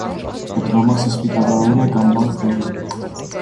Պտղամիսը սպիտակավուն է կամ բաց դեղին։